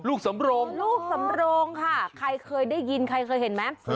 สำโรงลูกสำโรงค่ะใครเคยได้ยินใครเคยเห็นไหม